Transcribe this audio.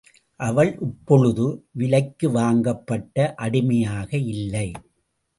அவள் இப்பொழுது விலைக்கு வாங்கப்பட்ட அடிமையாக இல்லை.